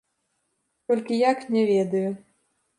Толькі як, не ведаю.